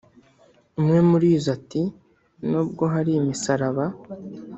umwe muri zo ati “Nubwo hari imisaraba